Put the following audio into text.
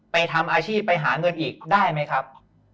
ทำอาชีพไปหาเงินอีกได้ไหมครับ